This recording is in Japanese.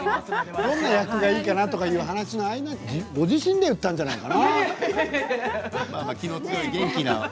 どの役がいいかなという話の時にご自身が言ったんじゃないかな？